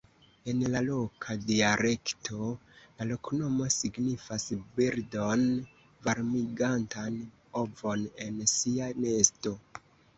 En la loka dialekto la loknomo signifas birdon varmigantan ovon en sia nesto.